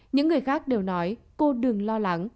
những người khác đều nói cô đừng lo lắng